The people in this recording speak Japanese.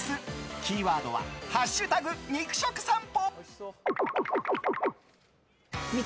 キーワードは「＃肉食さんぽ」。